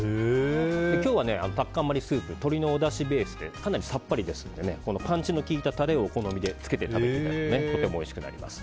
今日はタッカンマリスープ鶏のおだしベースでかなりさっぱりですのでパンチの効いたタレをお好みでつけて食べていただくととてもおいしくなります。